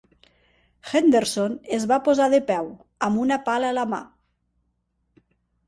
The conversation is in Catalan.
Henderson es va posar de peu amb una pala a la mà.